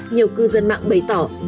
nhiều cư dân mạng bày tỏa